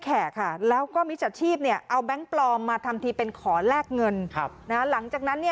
แข่งค่ะแล้วก็มิวจิศชีพเนี่ยเอาแบงก์ปลอมมาทำที่เป็นขอแรกเงินครับแล้วหลังจากนั้น